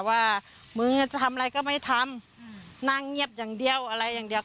ว่ามึงจะทำอะไรก็ไม่ทำนั่งเงียบอย่างเดียวอะไรอย่างเดียว